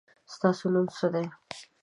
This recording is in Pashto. ستاسو نوم څه دی ؟